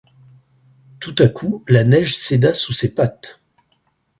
Tout à coup la neige céda sous ses pattes.